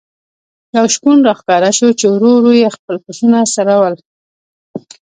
یو شپون را ښکاره شو چې ورو ورو یې خپل پسونه څرول.